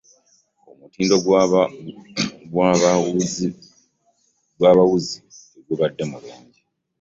Omutindo gw'abawuzi tegubadde mulungi.